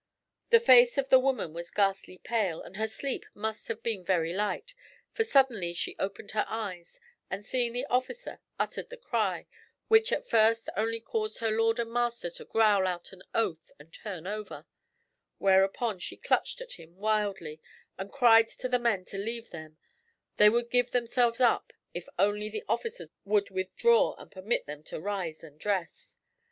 The face of the woman was ghastly pale, and her sleep must have been very light, for suddenly she opened her eyes, and seeing the officers, uttered the cry, which at first only caused her lord and master to growl out an oath and turn over; whereupon she clutched at him wildly and cried to the men to leave them; they would give themselves up if only the officers would withdraw and permit them to rise and dress.